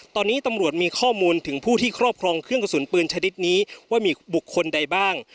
ตอนนี้ตำรวจมีข้อมูลถึงผู้ที่ครอบครองเครื่องกระสุนปืนชนิดนี้ว่ามีบุคคลใดบ้าง